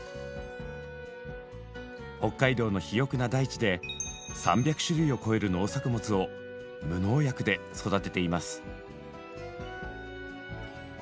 北海道の肥沃な大地で３００種類を超える農作物を無農薬で育てています。